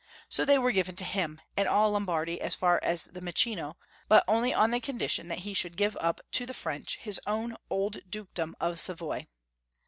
So they were given to liim, and all Lombardy as far as the Mincio, but only on condition that he should give up to the French liis own old dukedom of Savoy.